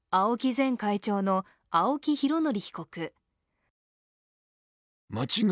前会長の青木拡憲被告。